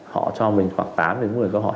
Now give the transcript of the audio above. họ cho mình khoảng tám đến một mươi câu hỏi